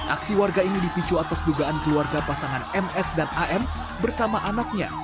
aksi warga ini dipicu atas dugaan keluarga pasangan ms dan am bersama anaknya